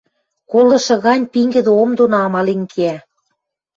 Колышы гань пингӹдӹ ом доно амален кеӓ...